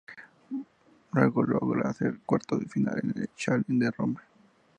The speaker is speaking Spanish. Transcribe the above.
Luego logra hacer cuartos de final en el Challenger de Roma.